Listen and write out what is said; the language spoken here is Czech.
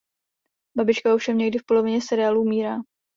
Babička ovšem někdy v polovině seriálu umírá.